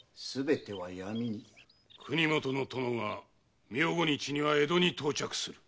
国元の殿が明後日には江戸に到着する。